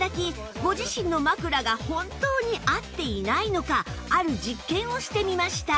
ご自身の枕が本当に合っていないのかある実験をしてみました